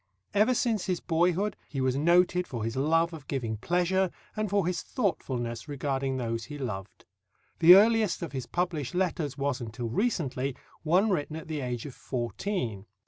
Ever since his boyhood he was noted for his love of giving pleasure and for his thoughtfulness regarding those he loved. The earliest of his published letters was until recently one written at the age of fourteen.